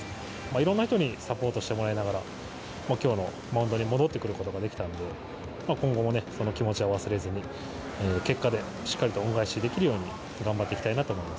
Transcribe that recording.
いろんな人にサポートしてもらいながら、きょうのマウンドに戻ってくることができたんで、まあ、今後もね、その気持ちは忘れずに、結果でしっかりと恩返しできるように頑張っていきたいなと思い